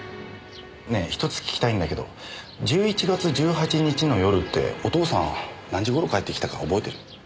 ねえひとつ聞きたいんだけど１１月１８日の夜ってお父さん何時頃帰ってきたか覚えてる？